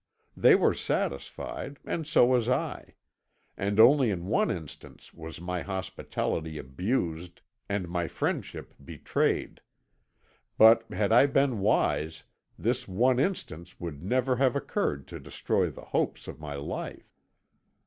They were satisfied, and so was I; and only in one instance was my hospitality abused and my friendship betrayed. But had I been wise, this one instance would never have occurred to destroy the hopes of my life.